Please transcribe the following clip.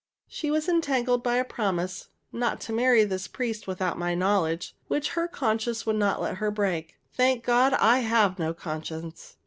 She was entangled by a promise (not to marry this priest without my knowledge) which her conscience would not let her break. Thank God, I have no conscience.